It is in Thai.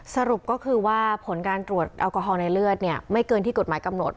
สรุปก็คือว่าผลการตรวจแอลกอฮอล์ในเลือดไม่เกินที่กฎหมายกำหนด